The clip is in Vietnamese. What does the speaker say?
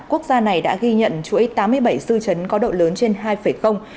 quốc gia này đã ghi nhận chuỗi tám mươi bảy sưu trấn có độ lớn trên hai